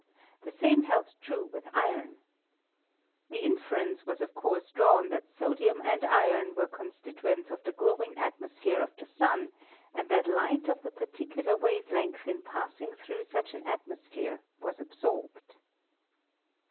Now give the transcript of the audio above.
The same held true with iron. The inference was of course drawn that sodium and iron were constituents of the glowing atmosphere of the Sun and that light of the particular wave length in passing through such an atmosphere was absorbed.